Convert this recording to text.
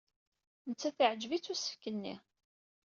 Nettat yeɛjeb-itt usefk-nni.